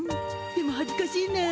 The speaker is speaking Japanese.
でもはずかしいな。